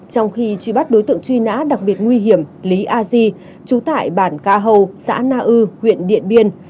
trong khi truy bắt đối tượng truy nã đặc biệt nguy hiểm lý a di trú tại bản ca hâu xã na ư huyện điện biên